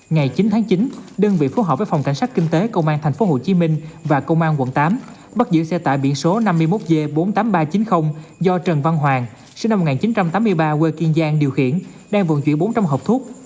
ngày chín tháng chín đơn vị phối hợp với phòng cảnh sát kinh tế công an tp hcm và công an quận tám bắt giữ xe tải biển số năm mươi một g bốn mươi tám nghìn ba trăm chín mươi do trần văn hoàng sinh năm một nghìn chín trăm tám mươi ba quê kiên giang điều khiển đang vận chuyển bốn trăm linh hộp thuốc